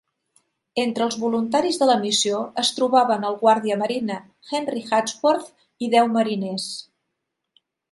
Entre els voluntaris de la missió es trobaven el guàrdia marina Henry Wadsworth i deu mariners.